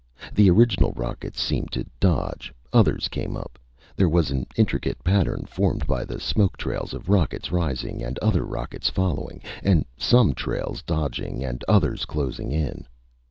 The original rockets seemed to dodge. Others came up. There was an intricate pattern formed by the smoke trails of rockets rising and other rockets following, and some trails dodging and others closing in.